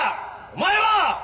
お前は！